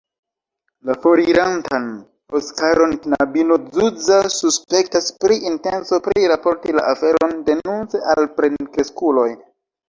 La forirantan Oskaron knabino Zuza suspektas pri intenco priraporti la aferon denunce al plenkreskuloj.